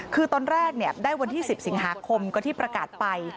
คือตอนแรกได้วันที่๑๐สิงหาคมก็ที่ประกาศไป